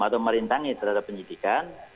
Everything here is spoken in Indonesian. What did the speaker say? atau merintangi terhadap penyidikan